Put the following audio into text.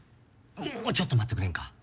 もうちょっと待ってくれんか？